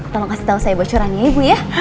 tolong kasih tau saya bocoran ya ibu ya